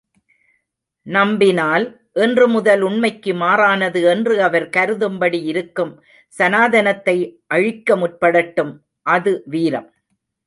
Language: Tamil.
நம்பினால், இன்று முதல் உண்மைக்கு மாறானது என்று அவர் கருதும்படி இருக்கும் சனாதனத்தை அழிக்க முற்படட்டும், அது வீரம்!